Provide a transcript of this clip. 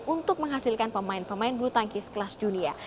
untuk menghasilkan pemain pemain bulu tangkis kelas dunia